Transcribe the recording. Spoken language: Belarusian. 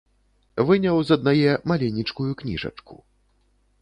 Выняў з аднае маленечкую кніжачку.